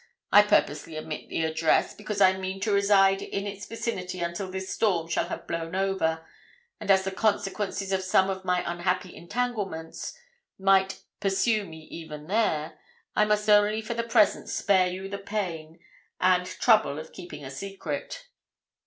I purposely omit the address, because I mean to reside in its vicinity until this storm shall have blown over; and as the consequences of some of my unhappy entanglements might pursue me even there, I must only for the present spare you the pain and trouble of keeping a secret.